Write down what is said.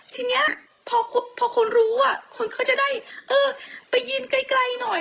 ทีนี้พอคนรู้คนก็จะได้ไปยืนใกล้หน่อย